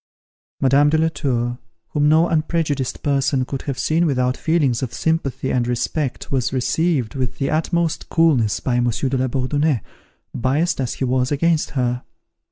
Madame de la Tour, whom no unprejudiced person could have seen without feelings of sympathy and respect, was received with the utmost coolness by Monsieur de la Bourdonnais, biased as he was against her.